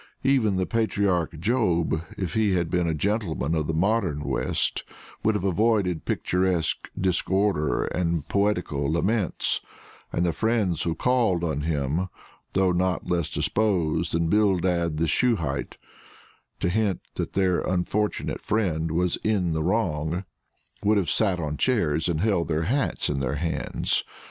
Even the patriarch Job, if he had been a gentleman of the modern West, would have avoided picturesque disorder and poetical laments; and the friends who called on him, though not less disposed than Bildad the Shuhite to hint that their unfortunate friend was in the wrong, would have sat on chairs and held their hats in their hands.